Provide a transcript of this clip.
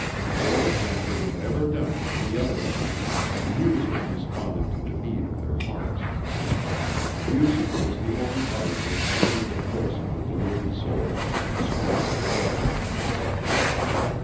More than it had ever done in any other time, music responded to the need of their hearts. Music was the only art which rendered the voice of the delivered soul behind the screen of forms.